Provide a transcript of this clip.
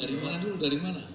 dari mana dulu dari mana